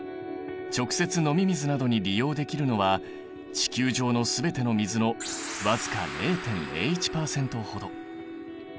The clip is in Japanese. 直接飲み水などに利用できるのは地球上の全ての水の僅か０．０１％ほど。